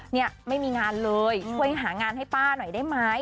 เนี่ยไม่มีงานเลยช่วยหางานให้ป้าหน่อยได้ไหม